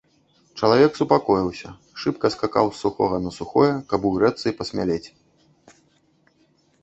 Чалавек супакоіўся, шыбка скакаў з сухога на сухое, каб угрэцца і пасмялець.